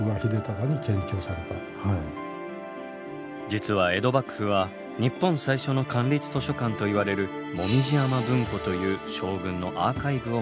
実は江戸幕府は日本最初の官立図書館といわれる「紅葉山文庫」という将軍のアーカイブを持っていました。